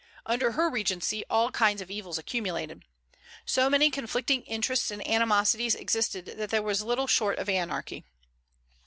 Under her regency all kinds of evils accumulated. So many conflicting interests and animosities existed that there was little short of anarchy.